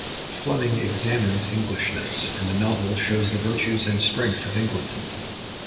Fleming examines Englishness, and the novel shows the virtues and strength of England.